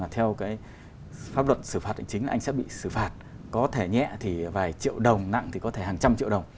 theo pháp luật xử phạt hành chính là anh sẽ bị xử phạt có thể nhẹ thì vài triệu đồng nặng thì có thể hàng trăm triệu đồng